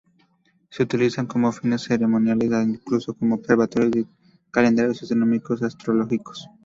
Se utilizaban con fines ceremoniales e incluso como observatorios y calendarios astronómico-astrológicos.